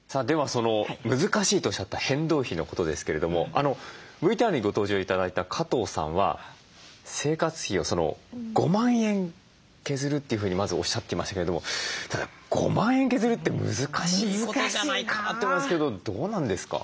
その難しいとおっしゃった変動費のことですけれどもＶＴＲにご登場頂いた加藤さんは生活費を５万円削るというふうにまずおっしゃっていましたけれども５万円削るって難しいことじゃないかなと思うんですけどどうなんですか？